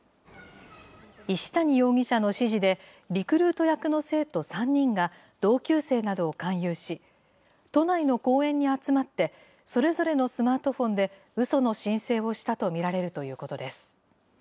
石谷容疑者の指示で、リクルート役の生徒３人が、同級生などを勧誘し、都内の公園に集まって、それぞれのスマートフォンでうその申請をしたと見られるということです。